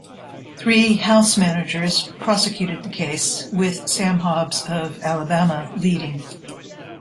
Three House managers prosecuted the case, with Sam Hobbs of Alabama leading.